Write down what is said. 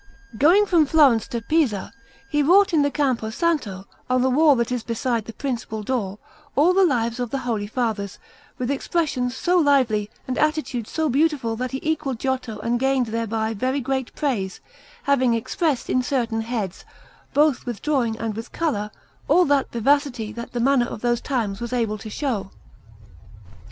Going from Florence to Pisa, he wrought in the Campo Santo, on the wall that is beside the principal door, all the lives of the Holy Fathers, with expressions so lively and attitudes so beautiful that he equalled Giotto and gained thereby very great praise, having expressed in certain heads, both with drawing and with colour, all that vivacity that the manner of those times was able to show.